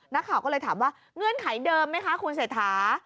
นักข่าวก็เลยถามว่าเงื่อนไขเดิมไหมคะคุณเศรษฐา